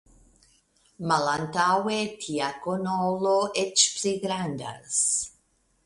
Malantaŭe tia konolo eĉ pli grandas.